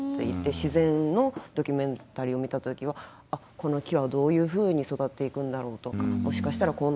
自然のドキュメンタリーを見た時はこの木はどういうふうに育っていくんだろうとかもしかしたらこうなっていくのかなと。